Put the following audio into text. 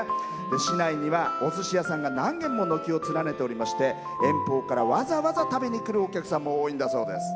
市内には、お寿司屋さんが何軒も軒を連ねておりまして遠方から、わざわざ食べに来るお客さんも多いんだそうです。